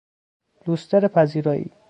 لوستر پذیرایی